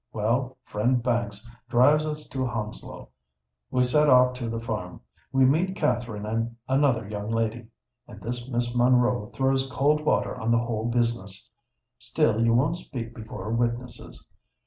Well, friend Banks drives us to Hounslow: we set off to the farm—we meet Katherine and another young lady—and this Miss Monroe throws cold water on the whole business. Still you won't speak before witnesses.